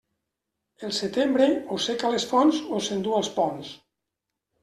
El setembre, o seca les fonts o s'enduu els ponts.